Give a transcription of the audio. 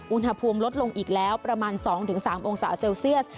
อุณหภูมิลดลงอีกแล้วประมาณ๒๓องศาเซลเซียส